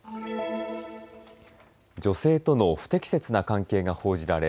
女性との不適切な関係が報じられ